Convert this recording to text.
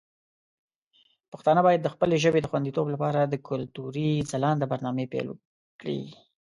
پښتانه باید د خپلې ژبې د خوندیتوب لپاره د کلتوري ځلانده برنامې پیل کړي.